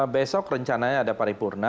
besok rencananya ada paripurna